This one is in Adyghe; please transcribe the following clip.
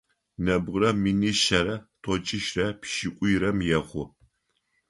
Нэбгырэ минишъэрэ тӏокӏищрэ пшӏыкӏуйрэм ехъу.